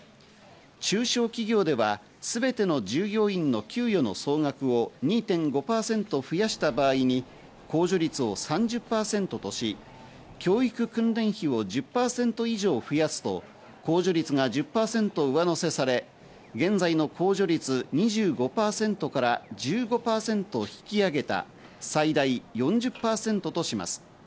中小企業ではすべての従業員の給与の総額を２．５％増やした場合に控除率を３０％とし、教育訓練費を１０％以上増やすと控除率が１０％上乗せされ、現在の控除率２５％から１５％引き上げた、最大４０％とします。